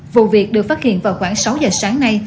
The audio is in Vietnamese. vụ việc được phát hiện vào khoảng sáu giờ sáng nay